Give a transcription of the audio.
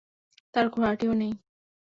তার ঘোড়াটিও নেই।